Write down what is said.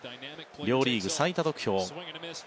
両リーグ最多得票。